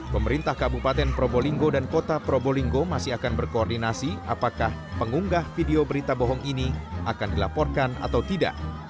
pemerintah kabupaten probolinggo dan kota probolinggo masih akan berkoordinasi apakah pengunggah video berita bohong ini akan dilaporkan atau tidak